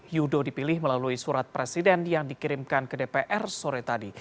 yudo dipilih melalui surat presiden yang dikirimkan ke dpr sore tadi